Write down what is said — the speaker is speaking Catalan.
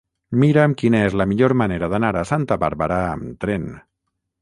Mira'm quina és la millor manera d'anar a Santa Bàrbara amb tren.